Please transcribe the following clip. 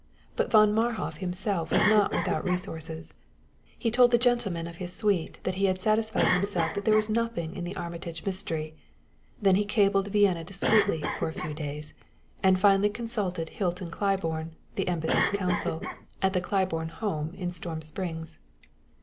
But Von Marhof himself was not without resources. He told the gentlemen of his suite that he had satisfied himself that there was nothing in the Armitage mystery; then he cabled Vienna discreetly for a few days, and finally consulted Hilton Claiborne, the embassy's counsel, at the Claiborne home at Storm Springs.